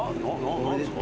何ですか？